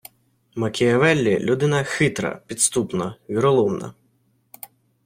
Макіавеллі - людина хитра, підступна, віроломна